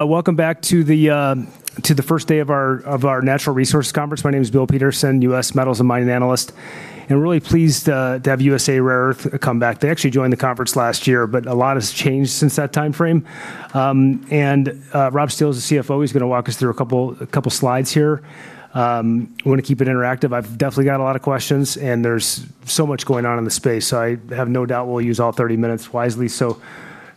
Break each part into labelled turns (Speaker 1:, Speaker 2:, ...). Speaker 1: Welcome back to the first day of our Natural Resources Conference. My name is Bill Peterson, U.S. Metals and Mining Analyst, really pleased to have USA Rare Earth come back. They actually joined the conference last year, but a lot has changed since that timeframe. Rob Steele is the CFO. He's going to walk us through a couple slides here. I want to keep it interactive. I've definitely got a lot of questions, and there's so much going on in the space. I have no doubt we'll use all 30 minutes wisely.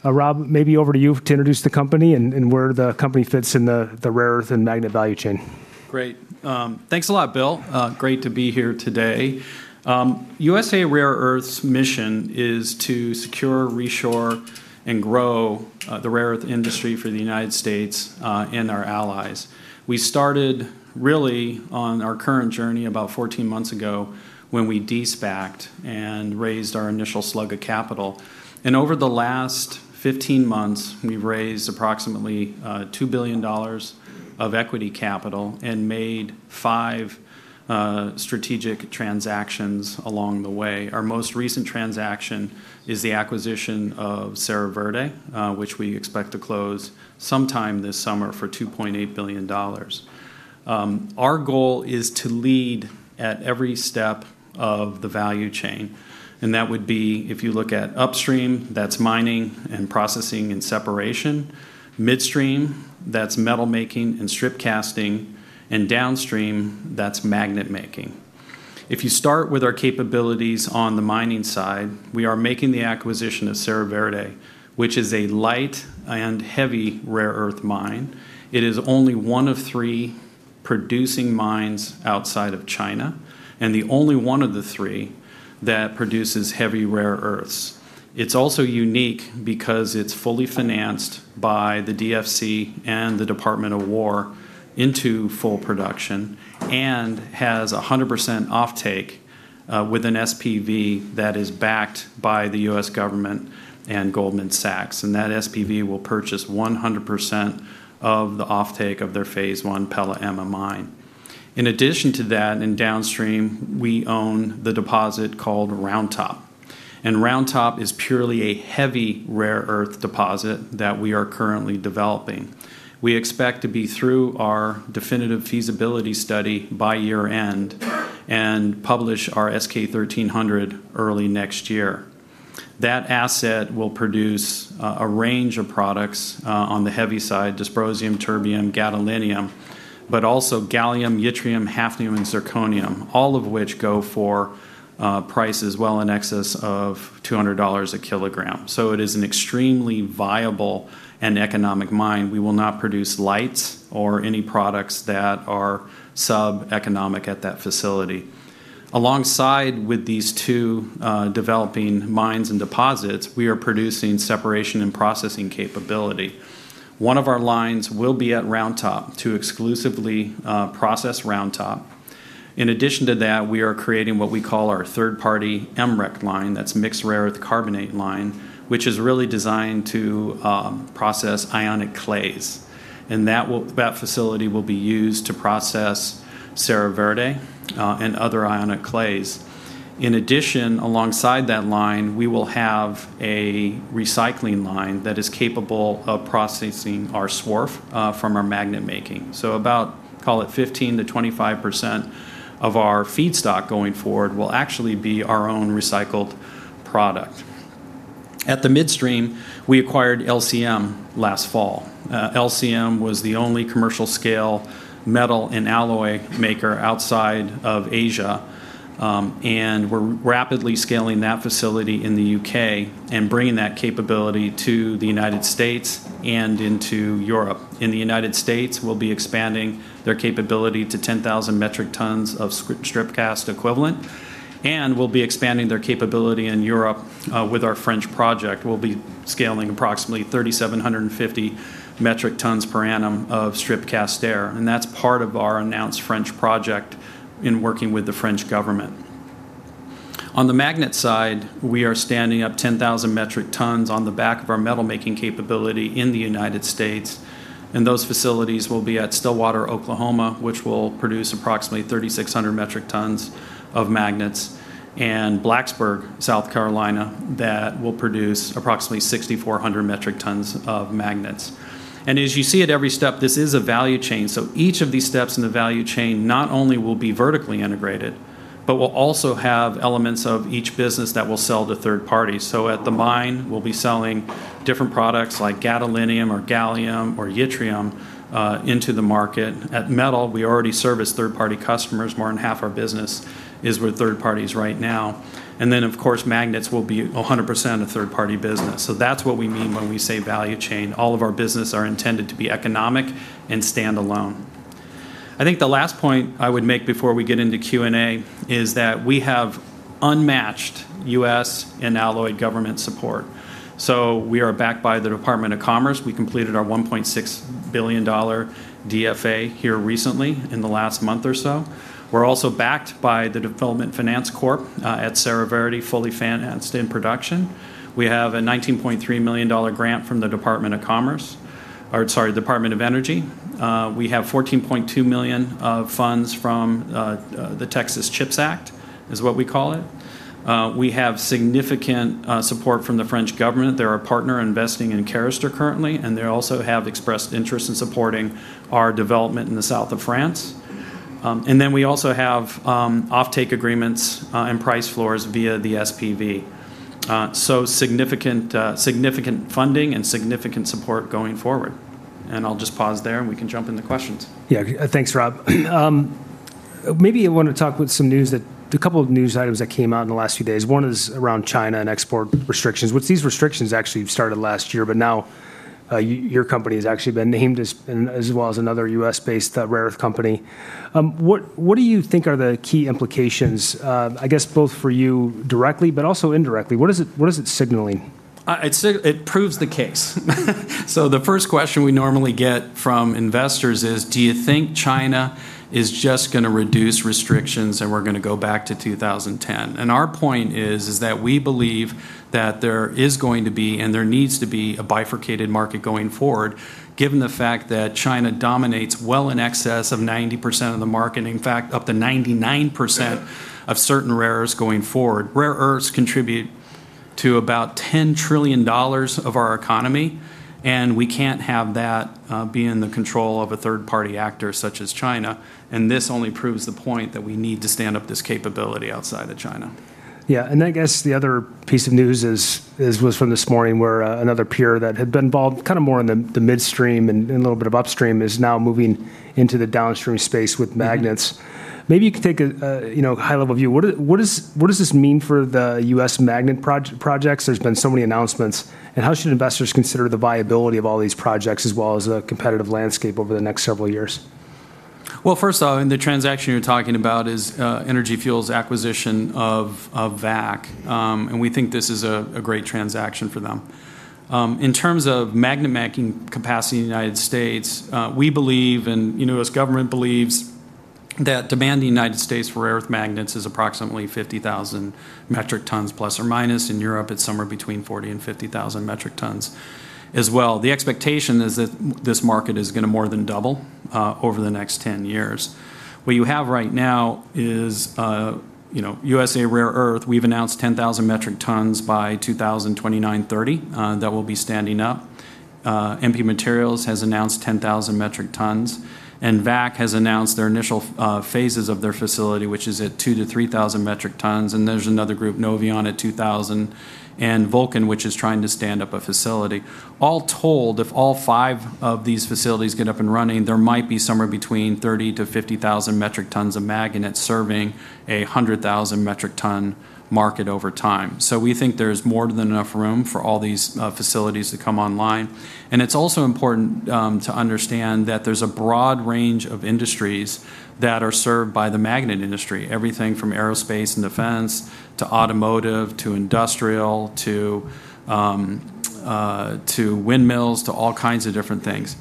Speaker 1: Rob, maybe over to you to introduce the company and where the company fits in the rare earth and magnet value chain.
Speaker 2: Great. Thanks a lot, Bill. Great to be here today. USA Rare Earth's mission is to secure, reshore, and grow the rare earth industry for the United States and our allies. We started really on our current journey about 14 months ago when we de-SPACed and raised our initial slug of capital. Over the last 15 months, we've raised approximately $2 billion of equity capital and made five strategic transactions along the way. Our most recent transaction is the acquisition of Serra Verde, which we expect to close sometime this summer for $2.8 billion. Our goal is to lead at every step of the value chain, that would be if you look at upstream, that's mining and processing and separation, midstream, that's metal making and strip casting, and downstream, that's magnet making. If you start with our capabilities on the mining side, we are making the acquisition of Serra Verde, which is a light and heavy rare earth mine. It is only one of three producing mines outside of China and the only one of the three that produces heavy rare earths. It's also unique because it's fully financed by the DFC and the Department of War into full production and has 100% offtake with an SPV that is backed by the U.S. government and Goldman Sachs. That SPV will purchase 100% of the offtake of their phase one Pela Ema mine. In addition to that, in downstream, we own the deposit called Round Top, Round Top is purely a heavy rare earth deposit that we are currently developing. We expect to be through our definitive feasibility study by year-end and publish our S-K 1300 early next year. That asset will produce a range of products on the heavy side, dysprosium, terbium, gadolinium, gallium, yttrium, hafnium, and zirconium, all of which go for prices well in excess of $200 a kilogram. It is an extremely viable and economic mine. We will not produce lights or any products that are sub-economic at that facility. Alongside with these two developing mines and deposits, we are producing separation and processing capability. One of our lines will be at Round Top to exclusively process Round Top. In addition to that, we are creating what we call our third-party MREC line, that's mixed rare earth carbonate line, which is really designed to process ionic clays, that facility will be used to process Serra Verde and other ionic clays. In addition, alongside that line, we will have a recycling line that is capable of processing our swarf from our magnet making. About, call it 15%-25% of our feedstock going forward will actually be our own recycled product. At the midstream, we acquired LCM last fall. LCM was the only commercial-scale metal and alloy maker outside of Asia, and we're rapidly scaling that facility in the U.K. and bringing that capability to the United States and into Europe. In the United States, we'll be expanding their capability to 10,000 metric tons of strip cast equivalent, and we'll be expanding their capability in Europe with our French project. We'll be scaling approximately 3,750 metric tons per annum of strip cast there, and that's part of our announced French project in working with the French government. On the magnet side, we are standing up 10,000 metric tons on the back of our metal-making capability in the United States, and those facilities will be at Stillwater, Oklahoma, which will produce approximately 3,600 metric tons of magnets, and Blacksburg, South Carolina, that will produce approximately 6,400 metric tons of magnets. As you see at every step, this is a value chain. Each of these steps in the value chain not only will be vertically integrated, but will also have elements of each business that will sell to third parties. At the mine, we'll be selling different products like gadolinium or gallium or yttrium into the market. At metal, we already service third-party customers. More than half our business is with third parties right now. Of course, magnets will be 100% a third-party business. That's what we mean when we say value chain. All of our business are intended to be economic and standalone. I think the last point I would make before we get into Q&A is that we have unmatched U.S. and alloy government support. We are backed by the Department of Commerce. We completed our $1.6 billion DFA here recently in the last month or so. We're also backed by the Development Finance Corp at Serra Verde, fully financed in production. We have a $19.3 million grant from the Department of Commerce, or sorry, Department of Energy. We have $14.2 million of funds from the Texas CHIPS Act is what we call it. We have significant support from the French government. They're our partner investing in Carester currently, and they also have expressed interest in supporting our development in the South of France. We also have offtake agreements and price floors via the SPV. Significant funding and significant support going forward. I'll just pause there and we can jump into questions.
Speaker 1: Yeah. Thanks, Rob. Maybe I want to talk with a couple of news items that came out in the last few days. One is around China and export restrictions, which these restrictions actually started last year, but now your company has actually been named as well as another U.S.-based rare earth company. What do you think are the key implications, I guess both for you directly but also indirectly? What is it signaling?
Speaker 2: It proves the case. The first question we normally get from investors is, do you think China is just going to reduce restrictions and we're going to go back to 2010? Our point is that we believe that there is going to be, and there needs to be, a bifurcated market going forward, given the fact that China dominates well in excess of 90% of the market, and in fact, up to 99% of certain rare earths going forward. Rare earths contribute to about $10 trillion of our economy, we can't have that be in the control of a third-party actor such as China, this only proves the point that we need to stand up this capability outside of China.
Speaker 1: Yeah. I guess the other piece of news was from this morning, where another peer that had been involved more in the midstream and a little bit of upstream is now moving into the downstream space with magnets. Maybe you can take a high-level view. What does this mean for the U.S. magnet projects? There's been so many announcements. How should investors consider the viability of all these projects as well as the competitive landscape over the next several years?
Speaker 2: Well, first off, the transaction you're talking about is Energy Fuels' acquisition of VAC. We think this is a great transaction for them. In terms of magnet making capacity in the United States, we believe, and the U.S. government believes, that demand in the United States for earth magnets is approximately 50,000 metric tons, plus or minus. In Europe, it's somewhere between 40,000 and 50,000 metric tons as well. The expectation is that this market is going to more than double over the next 10 years. What you have right now is USA Rare Earth, we've announced 10,000 metric tons by 2029, 2030, that will be standing up. MP Materials has announced 10,000 metric tons, VAC has announced their initial phases of their facility, which is at 2,000-3,000 metric tons. There's another group, Noveon, at 2,000, and Vulcan, which is trying to stand up a facility. All told, if all five of these facilities get up and running, there might be somewhere between 30,000-50,000 metric tons of magnet serving 100,000 metric ton market over time. We think there's more than enough room for all these facilities to come online. It's also important to understand that there's a broad range of industries that are served by the magnet industry. Everything from aerospace and defense, to automotive, to industrial, to windmills, to all kinds of different things.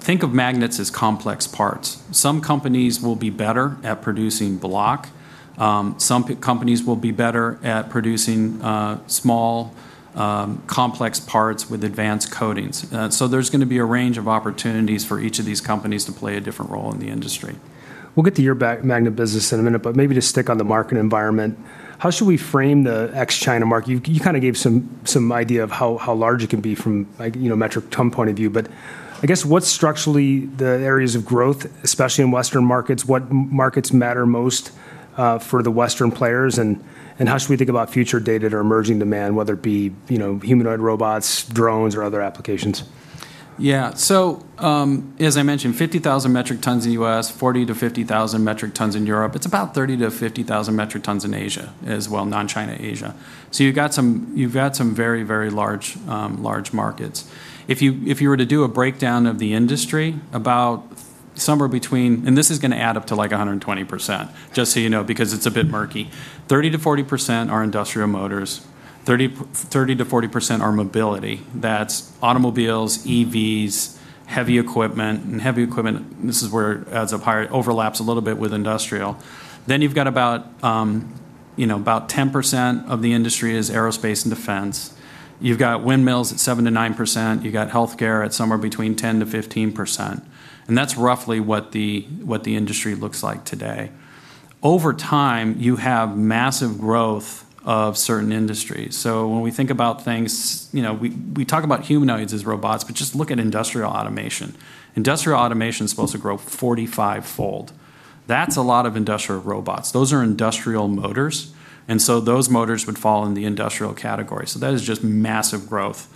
Speaker 2: Think of magnets as complex parts. Some companies will be better at producing block. Some companies will be better at producing small, complex parts with advanced coatings. There's going to be a range of opportunities for each of these companies to play a different role in the industry.
Speaker 1: We'll get to your magnet business in a minute, but maybe just stick on the market environment. How should we frame the ex-China market? You gave some idea of how large it can be from a metric ton point of view. I guess, what's structurally the areas of growth, especially in Western markets? What markets matter most for the Western players, and how should we think about future data or emerging demand, whether it be humanoid robots, drones, or other applications?
Speaker 2: As I mentioned, 50,000 metric tons in the U.S., 40,000-50,000 metric tons in Europe. It's about 30,000-50,000 metric tons in Asia as well, non-China Asia. You've got some very large markets. If you were to do a breakdown of the industry, about somewhere between this is going to add up to, like, 120%, just so you know. It's a bit murky. 30%-40% are industrial motors, 30%-40% are mobility. That's automobiles, EVs, heavy equipment. Heavy equipment, this is where it overlaps a little bit with industrial. You've got about 10% of the industry is aerospace and defense. You've got windmills at 7%-9%. You've got healthcare at somewhere between 10%-15%. That's roughly what the industry looks like today. Over time, you have massive growth of certain industries. When we think about things, we talk about humanoids as robots, but just look at industrial automation. Industrial automation is supposed to grow 45-fold. That's a lot of industrial robots. Those are industrial motors, and so those motors would fall in the industrial category. That is just massive growth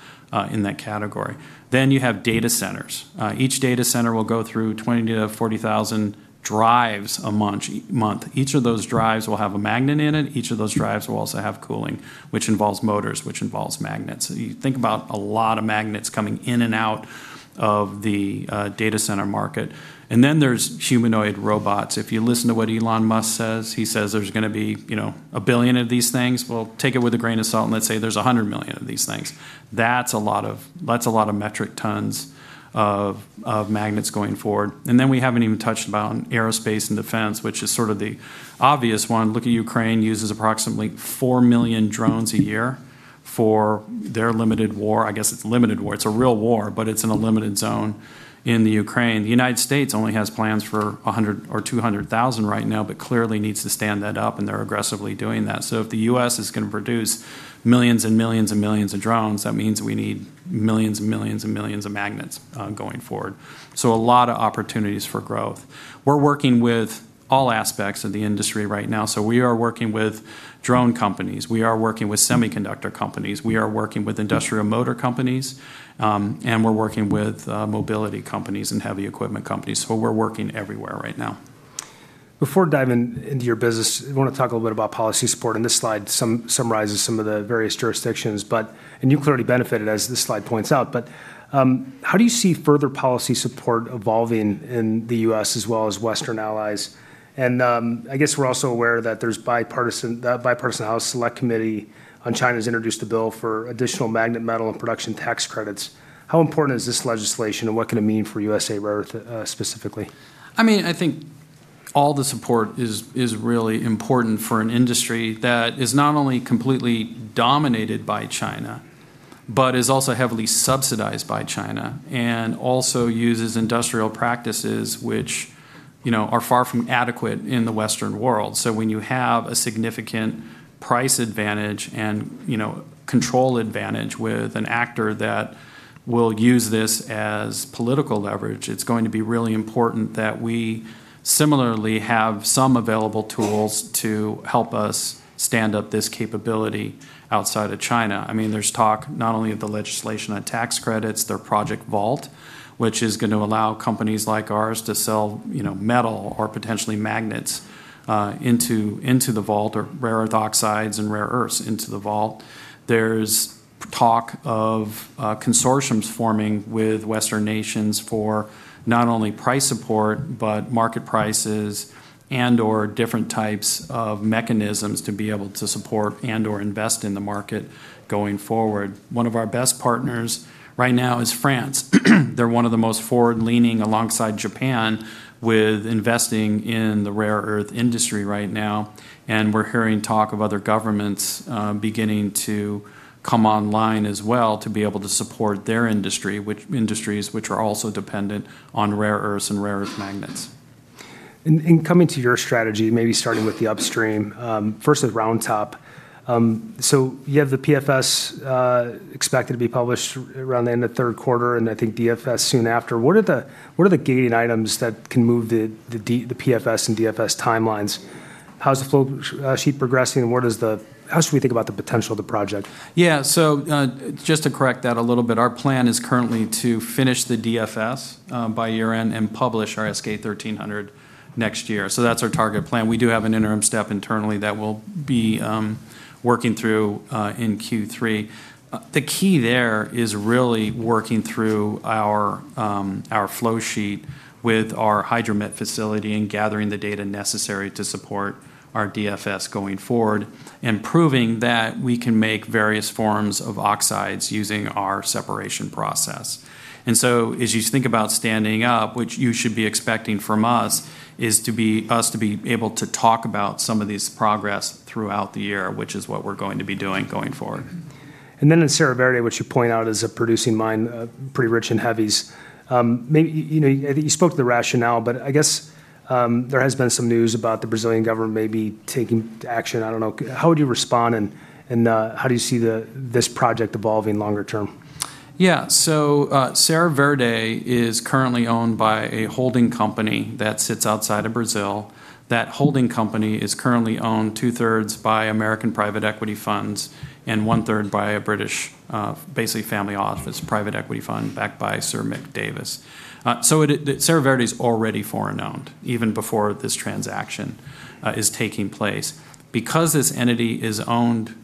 Speaker 2: in that category. You have data centers. Each data center will go through 20,000-40,000 drives a month. Each of those drives will have a magnet in it. Each of those drives will also have cooling, which involves motors, which involves magnets. You think about a lot of magnets coming in and out of the data center market. There's humanoid robots. If you listen to what Elon Musk says, he says there's going to be a billion of these things. Let's say there's 100 million of these things. That's a lot of metric tons of magnets going forward. We haven't even touched about aerospace and defense, which is sort of the obvious one. Look at Ukraine, uses approximately 4 million drones a year for their limited war, I guess it's limited war. It's a real war, but it's in a limited zone in Ukraine. The United States only has plans for 100,000 or 200,000 right now, clearly needs to stand that up, and they're aggressively doing that. If the U.S. is going to produce millions and millions and millions of drones, that means we need millions and millions and millions of magnets going forward. A lot of opportunities for growth. We're working with all aspects of the industry right now. We are working with drone companies, we are working with semiconductor companies, we are working with industrial motor companies, we're working with mobility companies and heavy equipment companies. We're working everywhere right now.
Speaker 1: Before diving into your business, I want to talk a little bit about policy support, this slide summarizes some of the various jurisdictions. You've clearly benefited, as this slide points out. How do you see further policy support evolving in the U.S. as well as Western allies? I guess we're also aware that that bipartisan House Select Committee on China's introduced a bill for additional magnet metal and production tax credits. How important is this legislation, and what can it mean for USA Rare Earth specifically?
Speaker 2: I think all the support is really important for an industry that is not only completely dominated by China, is also heavily subsidized by China, also uses industrial practices which are far from adequate in the Western world. When you have a significant price advantage and control advantage with an actor that will use this as political leverage, it's going to be really important that we similarly have some available tools to help us stand up this capability outside of China. There's talk not only of the legislation on tax credits, there's Project Vault, which is going to allow companies like ours to sell metal or potentially magnets into the vault or rare earth oxides and rare earths into the vault. There's talk of consortiums forming with Western nations for not only price support, but market prices and/or different types of mechanisms to be able to support and/or invest in the market going forward. One of our best partners right now is France. They're one of the most forward-leaning, alongside Japan, with investing in the rare earth industry right now, and we're hearing talk of other governments beginning to come online as well to be able to support their industry, which industries are also dependent on rare earths and rare earth magnets.
Speaker 1: Coming to your strategy, maybe starting with the upstream. First with Round Top. You have the PFS expected to be published around the end of third quarter, and I think DFS soon after. What are the gating items that can move the PFS and DFS timelines? How's the flowsheet progressing, and how should we think about the potential of the project?
Speaker 2: Yeah. Just to correct that a little bit, our plan is currently to finish the DFS by year-end and publish our S-K 1300 next year. That's our target plan. We do have an interim step internally that we'll be working through in Q3. The key there is really working through our flowsheet with our hydrometallurgy facility and gathering the data necessary to support our DFS going forward and proving that we can make various forms of oxides using our separation process. As you think about standing up, which you should be expecting from us, is us to be able to talk about some of these progress throughout the year, which is what we're going to be doing going forward.
Speaker 1: Then in Serra Verde, which you point out is a producing mine, pretty rich in heavies. I think you spoke to the rationale, but I guess there has been some news about the Brazilian government maybe taking action. I don't know. How would you respond, and how do you see this project evolving longer term?
Speaker 2: Yeah. Serra Verde is currently owned by a holding company that sits outside of Brazil. That holding company is currently owned 2/3 by American private equity funds and 1/3 by a British, basically family office private equity fund backed by Sir Mick Davis. Serra Verde is already foreign-owned, even before this transaction is taking place. Because this entity is owned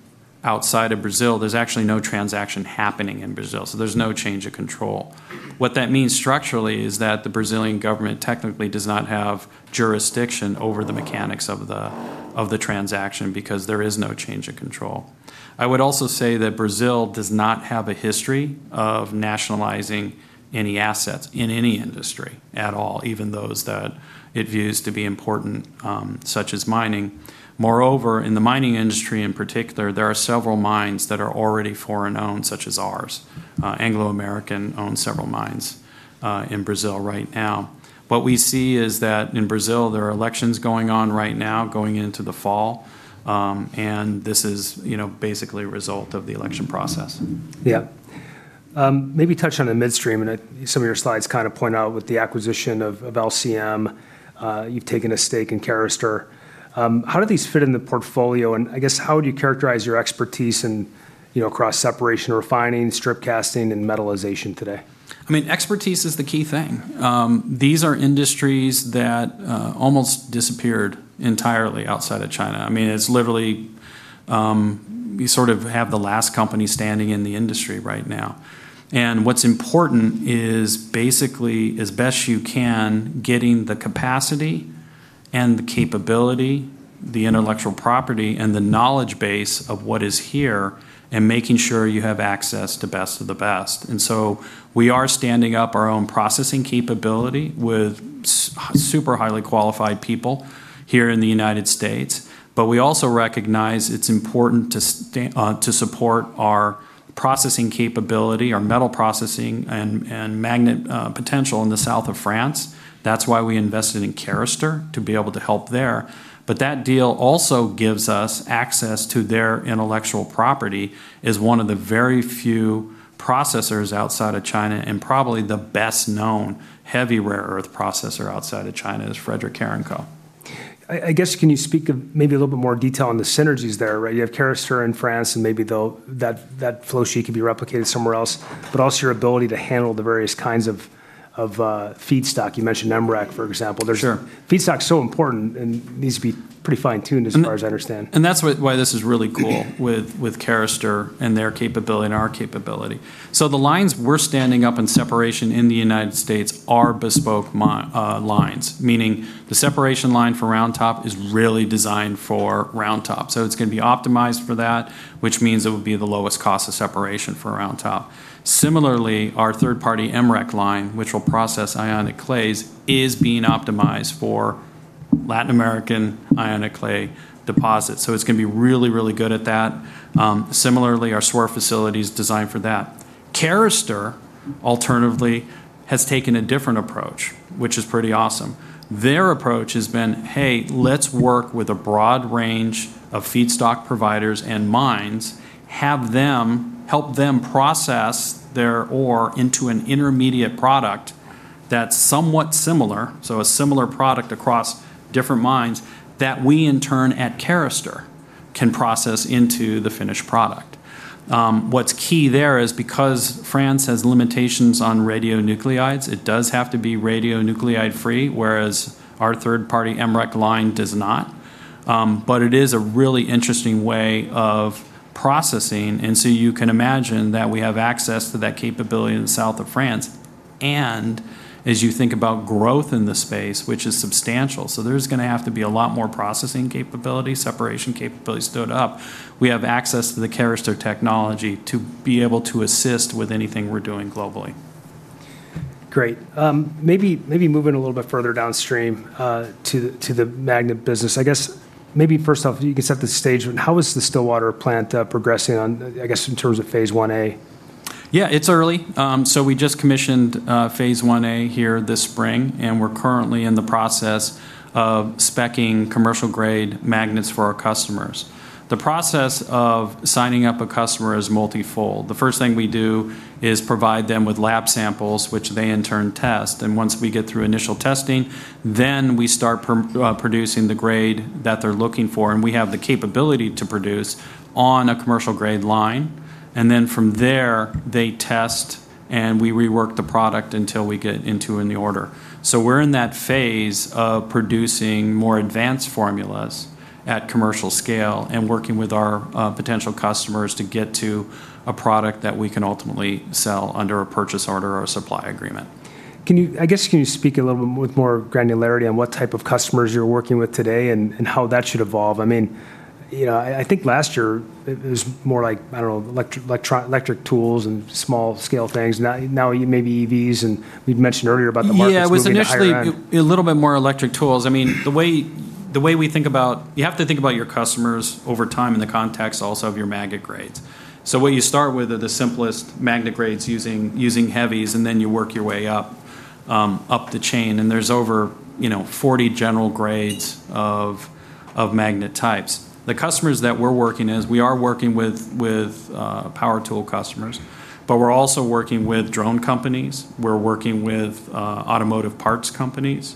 Speaker 2: outside of Brazil, there's actually no transaction happening in Brazil, so there's no change of control. What that means structurally is that the Brazilian government technically does not have jurisdiction over the mechanics of the transaction because there is no change of control. I would also say that Brazil does not have a history of nationalizing any assets in any industry at all, even those that it views to be important, such as mining. Moreover, in the mining industry in particular, there are several mines that are already foreign-owned, such as ours. Anglo American own several mines in Brazil right now. What we see is that in Brazil, there are elections going on right now going into the fall, and this is basically a result of the election process.
Speaker 1: Yeah. Maybe touch on the midstream. Some of your slides kind of point out with the acquisition of LCM. You've taken a stake in Carester. How do these fit in the portfolio, and I guess how would you characterize your expertise across separation refining, strip casting, and metallization today?
Speaker 2: Expertise is the key thing. These are industries that almost disappeared entirely outside of China. It's literally, we sort of have the last company standing in the industry right now. What's important is basically, as best you can, getting the capacity And the capability, the intellectual property, and the knowledge base of what is here, and making sure you have access to best of the best. We are standing up our own processing capability with super highly qualified people here in the United States. We also recognize it's important to support our processing capability, our metal processing and magnet potential in the south of France. That's why we invested in Carester, to be able to help there. That deal also gives us access to their intellectual property, as one of the very few processors outside of China, and probably the best-known heavy rare earth processor outside of China, is Frédéric Carencotte.
Speaker 1: I guess, can you speak of maybe a little bit more detail on the synergies there? You have Carester in France, and maybe that flow sheet can be replicated somewhere else. But also, your ability to handle the various kinds of feedstock. You mentioned MREC, for example.
Speaker 2: Sure.
Speaker 1: Feedstock's so important and needs to be pretty fine-tuned, as far as I understand.
Speaker 2: That's why this is really cool with Carester and their capability and our capability. The lines we're standing up in separation in the United States are bespoke lines, meaning the separation line for Round Top is really designed for Round Top. So it's going to be optimized for that, which means it will be the lowest cost of separation for Round Top. Similarly, our third-party MREC line, which will process ionic clays, is being optimized for Latin American ionic clay deposits. So it's going to be really good at that. Similarly, our SWERF facility is designed for that. Carester, alternatively, has taken a different approach, which is pretty awesome. Their approach has been, hey, let's work with a broad range of feedstock providers and mines, help them process their ore into an intermediate product that's somewhat similar, a similar product across different mines, that we in turn at Carester can process into the finished product. What's key there is because France has limitations on radionuclides, it does have to be radionuclide-free, whereas our third-party MREC line does not. It is a really interesting way of processing, you can imagine that we have access to that capability in the south of France. As you think about growth in the space, which is substantial, there's going to have to be a lot more processing capability, separation capability stood up. We have access to the Carester technology to be able to assist with anything we're doing globally.
Speaker 1: Great. Maybe moving a little bit further downstream to the magnet business. Maybe first off, you can set the stage. How is the Blacksburg plant progressing on, in terms of Phase 1a?
Speaker 2: It's early. We just commissioned Phase 1a here this spring, and we're currently in the process of speccing commercial-grade magnets for our customers. The process of signing up a customer is multifold. The first thing we do is provide them with lab samples, which they in turn test. Once we get through initial testing, then we start producing the grade that they're looking for, and we have the capability to produce on a commercial-grade line. Then from there, they test, and we rework the product until we get into the order. We're in that phase of producing more advanced formulas at commercial scale and working with our potential customers to get to a product that we can ultimately sell under a purchase order or a supply agreement.
Speaker 1: Can you speak a little bit more with granularity on what type of customers you're working with today and how that should evolve? I think last year it was more like, I don't know, electric tools and small-scale things. Now, maybe EVs, we'd mentioned earlier about the markets moving to higher end.
Speaker 2: It was initially a little bit more electric tools. You have to think about your customers over time in the context also of your magnet grades. What you start with are the simplest magnet grades using heavies, then you work your way up the chain, and there's over 40 general grades of magnet types. The customers that we're working is we are working with power tool customers, we're also working with drone companies. We're working with automotive parts companies.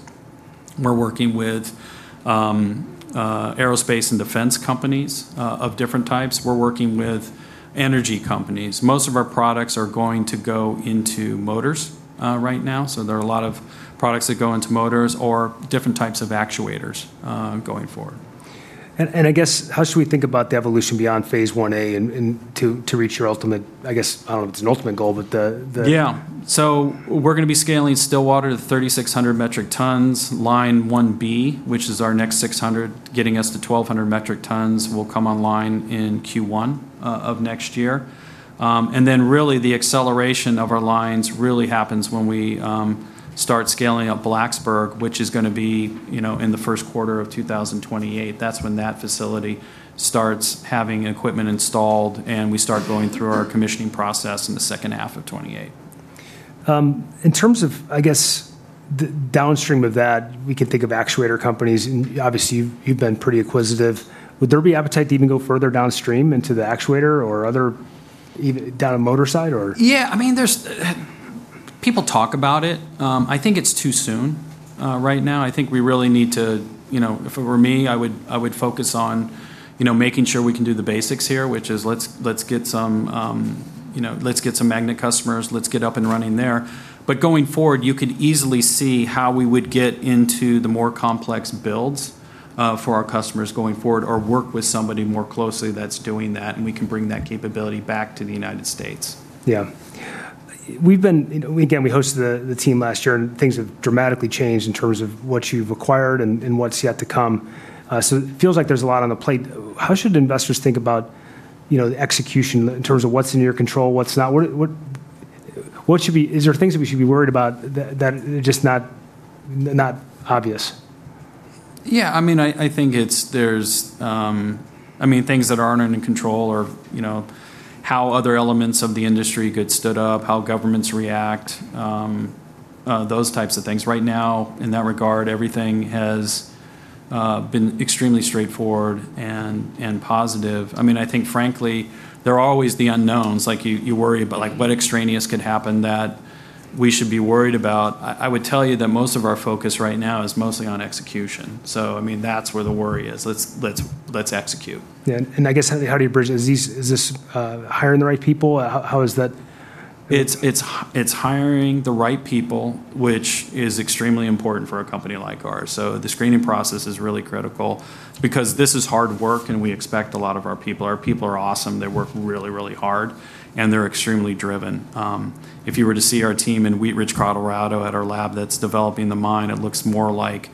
Speaker 2: We're working with aerospace and defense companies of different types. We're working with energy companies. Most of our products are going to go into motors right now, there are a lot of products that go into motors or different types of actuators going forward.
Speaker 1: I guess, how should we think about the evolution beyond Phase 1a and to reach your ultimate, I don't know if it's an ultimate goal, but?
Speaker 2: We're going to be scaling Stillwater to 3,600 metric tons. Line 1b, which is our next 600 metric tons, getting us to 1,200 metric tons, will come online in Q1 of next year. Really the acceleration of our lines really happens when we start scaling up Blacksburg, which is going to be in the first quarter of 2028. That's when that facility starts having equipment installed, and we start going through our commissioning process in the second half of 2028.
Speaker 1: In terms of, I guess, the downstream of that, we can think of actuator companies. Obviously, you've been pretty acquisitive. Would there be appetite to even go further downstream into the actuator or other even down a motor side or?
Speaker 2: Yeah. People talk about it. I think it's too soon right now. If it were me, I would focus on making sure we can do the basics here, which is let's get some magnet customers. Let's get up and running there. Going forward, you could easily see how we would get into the more complex builds for our customers going forward, or work with somebody more closely that's doing that, and we can bring that capability back to the United States.
Speaker 1: Yeah. Again, we hosted the team last year. Things have dramatically changed in terms of what you've acquired and what's yet to come. It feels like there's a lot on the plate. How should investors think about the execution in terms of what's in your control, what's not? Is there things that we should be worried about that are just not obvious?
Speaker 2: Yeah. I think there's things that aren't under control or how other elements of the industry could stood up, how governments react, those types of things. Right now, in that regard, everything has been extremely straightforward and positive. I think frankly, there are always the unknowns. You worry about what extraneous could happen that we should be worried about. I would tell you that most of our focus right now is mostly on execution. That's where the worry is. Let's execute.
Speaker 1: Yeah. I guess, how do you bridge this? Is this hiring the right people? How is that?
Speaker 2: It's hiring the right people, which is extremely important for a company like ours. The screening process is really critical because this is hard work, and we expect a lot of our people. Our people are awesome. They work really hard, and they're extremely driven. If you were to see our team in Wheat Ridge, Colorado at our lab that's developing the mine, it looks more like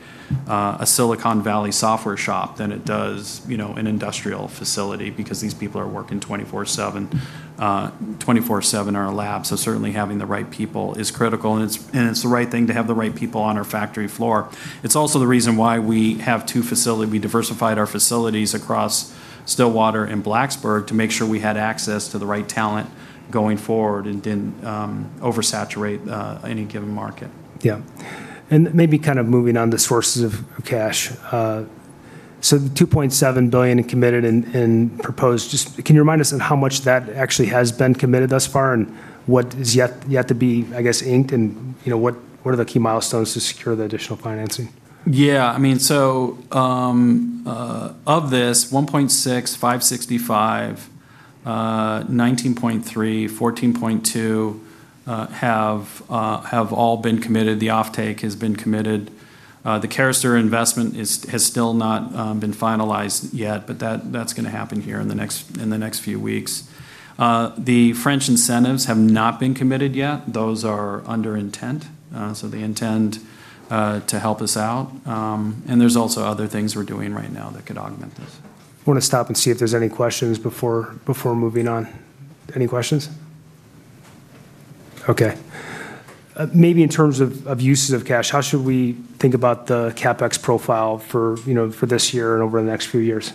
Speaker 2: a Silicon Valley software shop than it does an industrial facility because these people are working 24/7. 24/7 are our labs, certainly having the right people is critical, and it's the right thing to have the right people on our factory floor. It's also the reason why we have two facilities. We diversified our facilities across Stillwater and Blacksburg to make sure we had access to the right talent going forward and didn't oversaturate any given market.
Speaker 1: Maybe kind of moving on to sources of cash. The $2.7 billion in committed and proposed, just can you remind us of how much that actually has been committed thus far, and what is yet to be, I guess, inked, and what are the key milestones to secure the additional financing?
Speaker 2: Of this, $1.6 billion, $565 million, $19.3 million, $14.2 million have all been committed. The offtake has been committed. The Carester investment has still not been finalized yet, that's going to happen here in the next few weeks. The French incentives have not been committed yet. Those are under intent. They intend to help us out. There's also other things we're doing right now that could augment this.
Speaker 1: I want to stop and see if there's any questions before moving on. Any questions? Maybe in terms of uses of cash, how should we think about the CapEx profile for this year and over the next few years?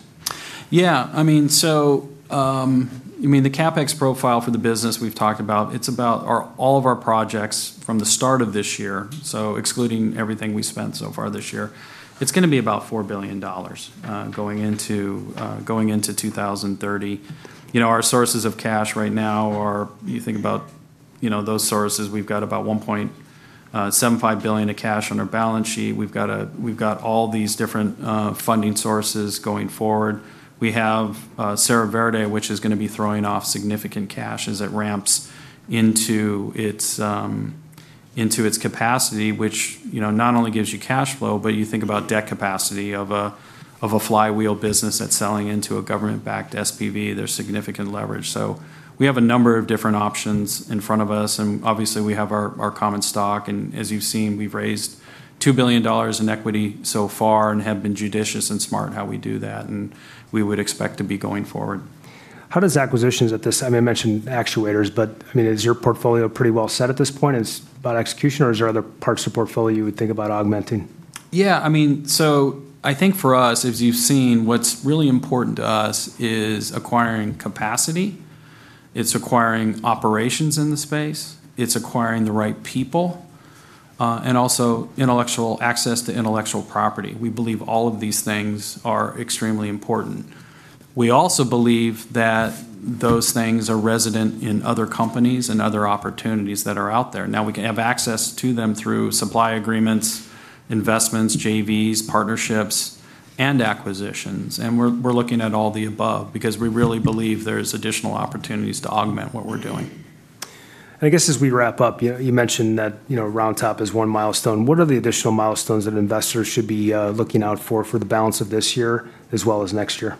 Speaker 2: Yeah. The CapEx profile for the business we've talked about, it's about all of our projects from the start of this year. Excluding everything we've spent so far this year, it's going to be about $4 billion going into 2030. Our sources of cash right now are, you think about those sources, we've got about $1.75 billion of cash on our balance sheet. We've got all these different funding sources going forward. We have Serra Verde, which is going to be throwing off significant cash as it ramps into its capacity, which not only gives you cash flow, but you think about debt capacity of a flywheel business that's selling into a government-backed SPV. There's significant leverage. We have a number of different options in front of us. Obviously, we have our common stock. As you've seen, we've raised $2 billion in equity so far and have been judicious and smart in how we do that, and we would expect to be going forward.
Speaker 1: How does acquisitions at this, I mean, I mentioned actuators. Is your portfolio pretty well set at this point? Is it about execution, or is there other parts of the portfolio you would think about augmenting?
Speaker 2: Yeah. I think for us, as you've seen, what's really important to us is acquiring capacity. It's acquiring operations in the space. It's acquiring the right people. It's also access to intellectual property. We believe all of these things are extremely important. We also believe that those things are resident in other companies and other opportunities that are out there. We can have access to them through supply agreements, investments, JVs, partnerships, and acquisitions, and we're looking at all the above because we really believe there's additional opportunities to augment what we're doing.
Speaker 1: I guess as we wrap up, you mentioned that Round Top is one milestone. What are the additional milestones that investors should be looking out for the balance of this year as well as next year?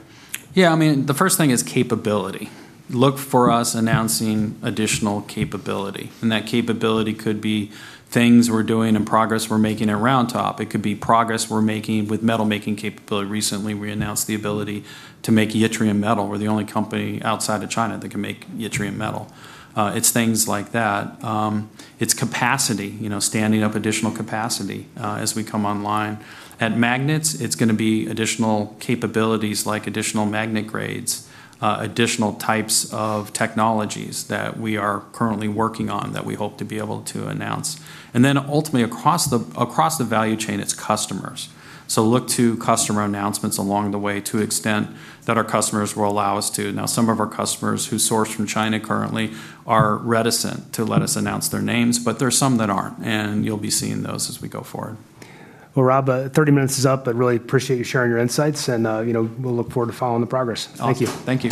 Speaker 2: The first thing is capability. Look for us announcing additional capability, and that capability could be things we're doing and progress we're making at Round Top. It could be progress we're making with metal-making capability. Recently, we announced the ability to make yttrium metal. We're the only company outside of China that can make yttrium metal. It's things like that. It's capacity, standing up additional capacity as we come online. At Magnax, it's going to be additional capabilities like additional magnet grades, additional types of technologies that we are currently working on that we hope to be able to announce. Ultimately across the value chain, it's customers. Look to customer announcements along the way to extent that our customers will allow us to. Some of our customers who source from China currently are reticent to let us announce their names, but there's some that aren't, and you'll be seeing those as we go forward.
Speaker 1: Well, Rob, 30 minutes is up, but really appreciate you sharing your insights and we'll look forward to following the progress. Thank you.
Speaker 2: Awesome. Thank you.